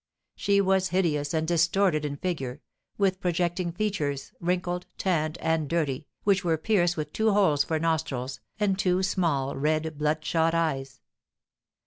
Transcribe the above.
She was hideous and distorted in figure, with projecting features, wrinkled, tanned, and dirty, which were pierced with two holes for nostrils, and two small, red, bloodshot eyes.